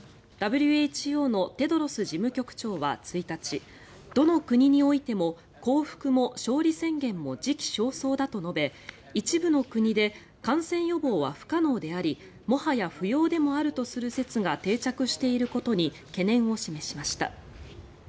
ＷＨＯのテドロス事務局長は１日どの国においても降伏も勝利宣言も時期尚早だと述べ一部の国で感染予防は不可能でありもはや不要でもあるとする説が定着していることに懸念を示しました。